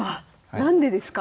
何でですか？